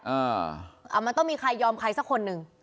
อ่ามันต้องมีใครยอมใครสักคนหนึ่ง